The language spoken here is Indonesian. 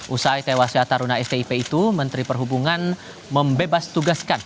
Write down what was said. usai tewasnya taruna stip itu menteri perhubungan membebas tugaskan